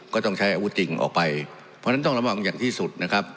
ก็ต้องใช้อาวุธจริงออกไปเพราะฉะนั้นต้องระวังอย่างที่สุดนะครับ